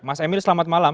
mas emil selamat malam